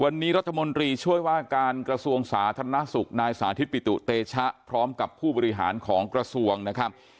วันนี้รัฐมนตรีช่วยว่าการกระทรวงสาธารณสุขนายสาธิตปิตุเตชะพร้อมกับผู้บริหารของกระทรวงนะครับ